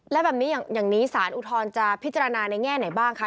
แล้วแบบนี้อย่างนี้สารอุทธรณ์จะพิจารณาในแง่ไหนบ้างคะ